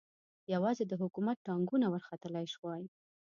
یوازې د حکومت ټانګونه ورختلای شوای.